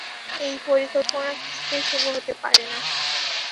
এই পরিকল্পনা কিছুতেই শুভ হতে পারে না।